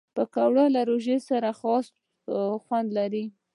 پکورې له روژې سره خاص خوند لري